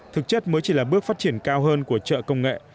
thực chất mới chỉ là bước phát triển cao hơn của chợ công nghệ